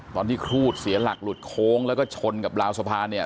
ตอนที่ครูดเสียหลักหลุดโค้งแล้วก็ชนกับราวสะพาน